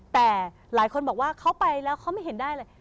แต่หลายคนบอกว่าเขาไปแล้วเขาไม่เห็นได้เลย